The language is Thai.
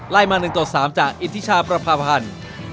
ไล่มา๑๓จากอิทชาประพาพันธ์